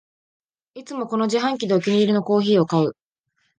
いつもこの自販機でお気に入りのコーヒーを買う